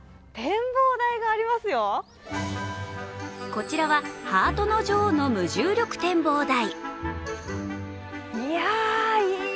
こちらはハートの女王の無重力展望台。